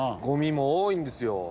ゴミも多いんですよ。